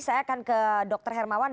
saya akan ke dr hermawan